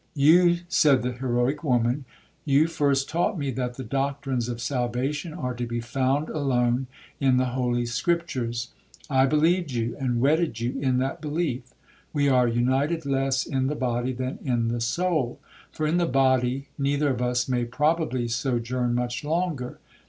'You,' said the heroic woman, 'you first taught me that the doctrines of salvation are to be found alone in the holy scriptures,—I believed you, and wedded you in that belief. We are united less in the body than in the soul, for in the body neither of us may probably sojourn much longer.